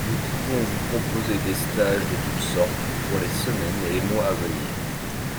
nous pouvons vous proposer des stages de toutes sortes pour les semaines et les mois à venir.